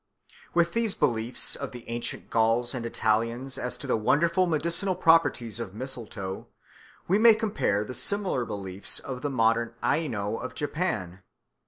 With these beliefs of the ancient Gauls and Italians as to the wonderful medicinal properties of mistletoe we may compare the similar beliefs of the modern Aino of Japan.